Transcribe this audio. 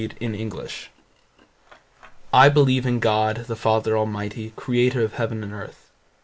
Modern English Version I believe in God, the Father almighty, creator of heaven and earth.